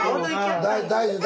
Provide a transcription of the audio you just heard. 大丈夫？